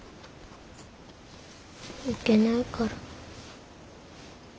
行けないから。